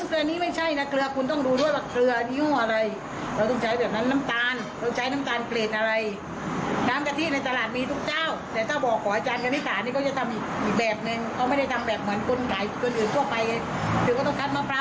เราเลือกวัตถุดิบไหม